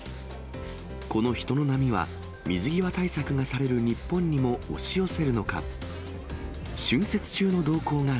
この人の波は、水際対策がされる日本にも押し寄せるのか。